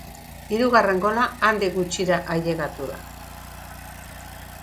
Hirugarren gola handik gutxira ailegatu da.